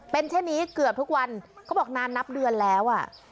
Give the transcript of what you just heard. เป็นเช่นนี้เกือบทุกวันเขาบอกนานนับเดือนแล้วอ่ะ